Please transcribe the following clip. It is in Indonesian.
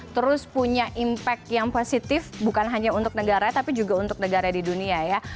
terus punya impact yang positif bukan hanya untuk negara tapi juga untuk negara di dunia ya